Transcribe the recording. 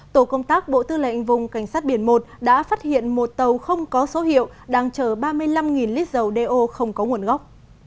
tổ công tác bộ tư lệnh vùng cảnh sát biển một đã phát hiện một tàu không có số hiệu đang chở ba mươi năm lít dầu đeo không có nguồn gốc